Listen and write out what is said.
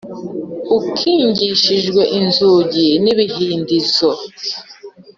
ukingishijwe inzugi n ‘ibihindizo .